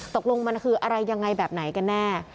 ตกลงมันคืออะไรยังไงแบบไหนกันแน่